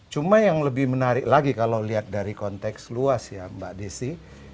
cuma yang lebih menarik lagi kalau lihat dari konteks luas ya mbak desi